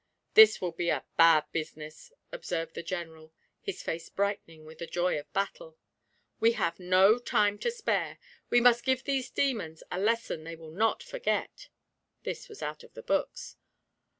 'This will be a bad business,' observed the General, his face brightening with the joy of battle. 'We have no time to spare we must give these demons a lesson they will not forget!' (this was out of the books).